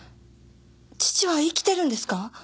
父は生きてるんですか！？